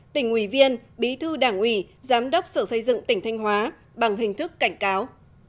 tỉnh ủy viên bí thư đảng ủy giám đốc sở xây dựng tỉnh thanh hóa bằng hình thức cảnh cáo